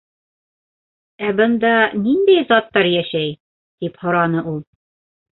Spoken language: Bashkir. — Ә бында ниндәй заттар йәшәй? —тип һораны ул.